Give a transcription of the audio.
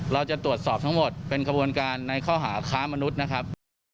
เราจะตรวจสอบทั้งหมดเป็นขบวนการในข้อหาค้ามนุษย์นะครับ